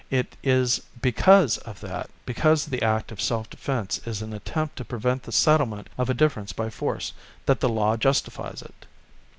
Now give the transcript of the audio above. It is because of that, because the act of self defence is an attempt to prevent the settlement of a difference by force, that the law justifies it.